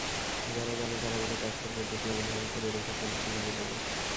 যারা জানে, তারা বলে, ট্যাক্সের পদ্ধতি এমনভাবে করে রেখেছেন, কীভাবে দেব।